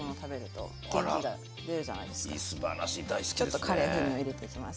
ちょっとカレー風味を入れていきます。